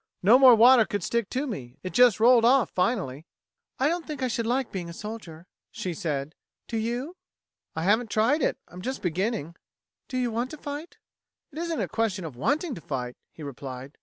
No more water would stick to me it just rolled off, finally." "I don't think I should like being a soldier," she said. "Do you?" "I haven't tried it. I'm just beginning." "Do you want to fight?" "It isn't a question of wanting to fight," he replied.